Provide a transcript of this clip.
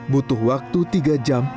butuh waktu tiga jam